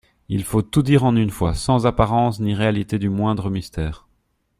Il faut tout dire en une fois, sans apparence ni réalité du moindre mystère.